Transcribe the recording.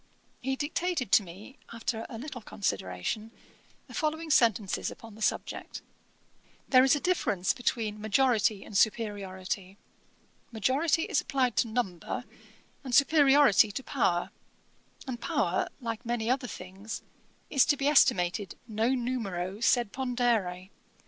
He dictated to me, after a little consideration, the following sentences upon the subject: 'There is a difference between majority and superiority; majority is applied to number, and superiority to power; and power, like many other things, is to be estimated non numero sed pondere.